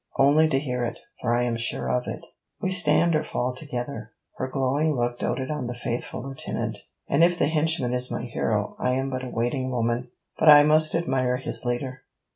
only to hear it, for I am sure of it!' 'We stand or fall together.' Her glowing look doated on the faithful lieutenant. 'And if the henchman is my hero, I am but a waiting woman. But I must admire his leader.'